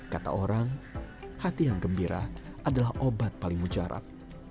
kata orang hati yang gembira adalah obat paling mujarab